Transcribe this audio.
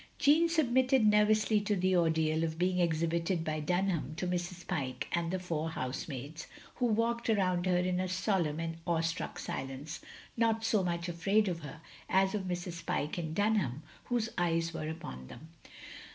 Jeanne submitted nervously to the ordeal of being exhibited by Dunham to Mrs. Pyke and the four housemaids, who walked round her in a solemn and awestruck silence; not so much afraid of her, as of Mrs. Pyke and Dunham, whose eyes were upon them.